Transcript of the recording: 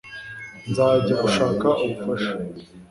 nzajya gushaka ubufasha